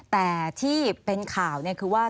แต่ที่เป็นข่าวเนี่ยคือว่า